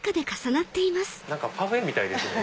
何かパフェみたいですね。